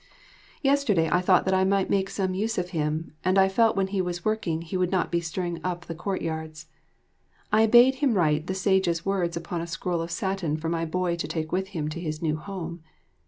Yesterday I thought that I might make some use of him, and I felt when he was working he would not be stirring up the courtyards. I bade him write the Sage's words upon a scroll of satin for my boy to take with him to his new home.